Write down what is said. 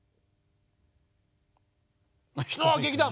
ああ劇団！